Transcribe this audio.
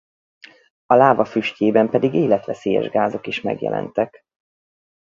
A láva füstjében pedig életveszélyes gázok is megjelentek.